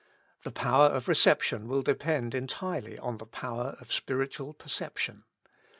The power of reception will depend entirely on the power of spiritual perception.